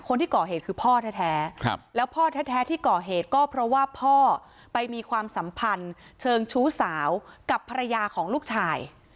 คนที่ก่อเหตุคือพ่อแท้แล้วพ่อแท้ที่ก่อเหตุก็เพราะว่าพ่อไปมีความสัมพันธ์เชิงชู้สาวกับภรรยาของลูกชาย